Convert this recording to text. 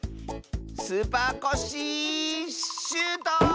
スーパーコッシーシュート！